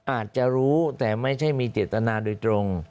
อาจจะรู้แต่ไม่ใช่มีเจตนาโดยตรง